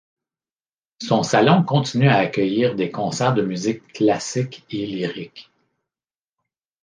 Son salon continue à accueillir des concerts de musique classique et lyrique.